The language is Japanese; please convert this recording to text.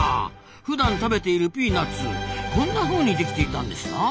ふだん食べているピーナッツこんなふうにできていたんですなあ。